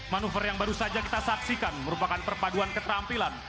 manufaktur yang baru saja kita saksikan merupakan perpaduan ketampilan